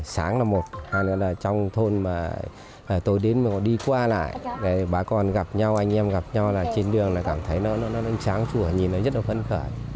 sáng là một trong thôn mà tôi đến mà đi qua lại bà con gặp nhau anh em gặp nhau là trên đường là cảm thấy nó sáng chua nhìn nó rất là phấn khởi